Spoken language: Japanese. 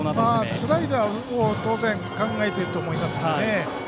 スライダーを考えていると思いますよね。